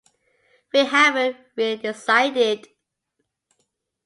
We haven't really decided.